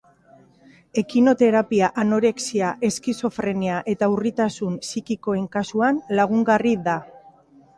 Ekinoterapia anorexia, eskizofrenia, eta urritasun psikikoen kasuan lagungarri da.